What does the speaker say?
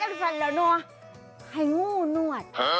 หายงู้นวด